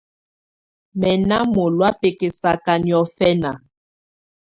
Mɛ̀ nà mɔ̀lɔ̀á bɛkɛsaka niɔ̀fɛna.